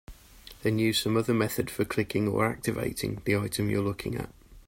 Then use some other method for clicking or "activating" the item you're looking at.